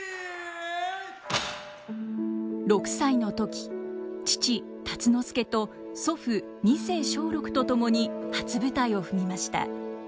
６歳の時父辰之助と祖父二世松緑と共に初舞台を踏みました。